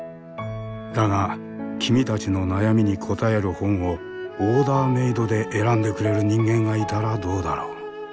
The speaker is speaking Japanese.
だが君たちの悩みに答える本をオーダーメードで選んでくれる人間がいたらどうだろう？